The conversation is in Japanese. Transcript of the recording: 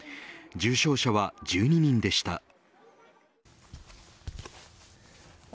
重症者は１２人でした。